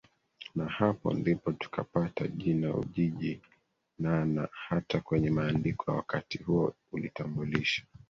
Na hapo ndipo tukapata jina Ujiji NaNa hata kwenye maandiko ya wakati huo ulitambulisha